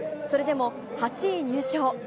それでも８位入賞。